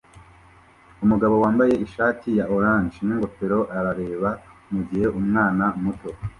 Umugabo wambaye ishati ya orange n'ingofero arareba mugihe umwana muto